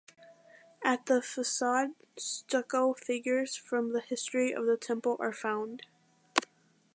At the facade stucco figures from the history of the temple are found.